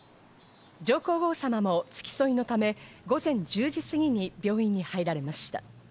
上皇后さまも付き添いのため、午前１０時過ぎに病院に入られました。